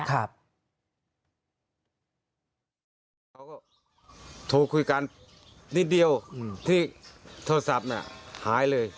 เขาก็โทรคุยกันนิดเดียวที่โทรศัพท์หายเลย